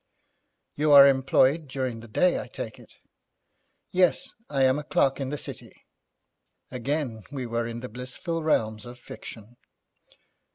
'You are employed during the day, I take it?' 'Yes, I am a clerk in the City.' Again we were in the blissful realms of fiction!